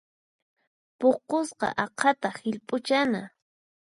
Puqusqa aqhata hillp'uchana.